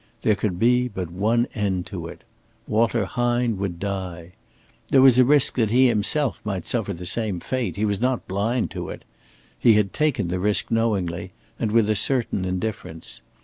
There could be but one end to it. Walter Hine would die. There was a risk that he himself might suffer the same fate he was not blind to it. He had taken the risk knowingly, and with a certain indifference.